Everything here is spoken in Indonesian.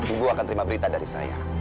ibu akan terima berita dari saya